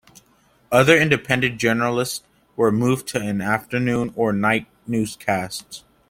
Other independent journalists were moved to afternoon or night newscasts.